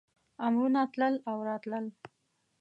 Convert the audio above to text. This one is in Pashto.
امرونه تلل او راتلل.